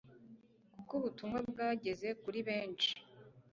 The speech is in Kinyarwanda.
kuko ubutumwa bwageze kuri benshi